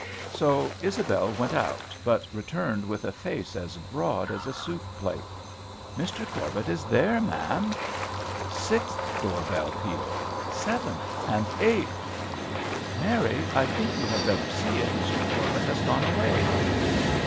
So Isabel went out, but returned with a face as broad as a soup plate. "Mr. Corbet is there, ma'am." Sixth door bell peal, seventh, and eighth. "Mary, I think you had better see if Mr. Corbet has gone away."